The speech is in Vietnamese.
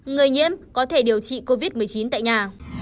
người nhiễm có thể điều trị covid một mươi chín tại nhà